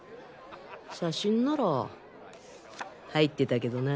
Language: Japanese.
写真なら入ってたけどな。